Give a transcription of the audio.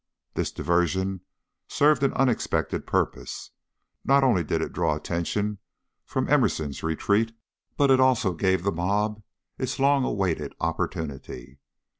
This diversion served an unexpected purpose. Not only did it draw attention from Emerson's retreat, but it also gave the mob its long awaited opportunity.